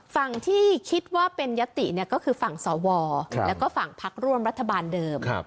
ฝั่งที่คิดว่าเป็นยติก็คือฝั่งสวแล้วก็ฝั่งพักร่วมรัฐบาลเดิม